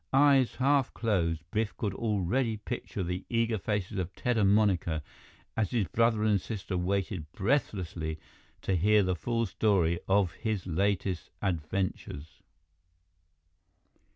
Eyes half closed, Biff could already picture the eager faces of Ted and Monica as his brother and sister waited breathlessly to hear the full story of his latest adventures!